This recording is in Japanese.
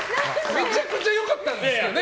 めちゃくちゃ良かったですからね。